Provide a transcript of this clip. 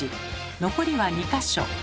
残りは２か所。